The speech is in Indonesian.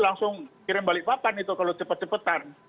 langsung kirim balik papan itu kalau cepat cepatan